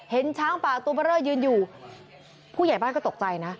เห็นช้างป่าตูประเริ่มยืนอยู่ผู้ใหญ่บ้านก็ตกใจนะ